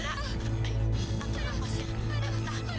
anakku sudah lahir rupanya